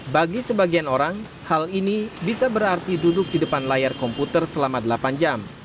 bagi sebagian orang hal ini bisa berarti duduk di depan layar komputer selama delapan jam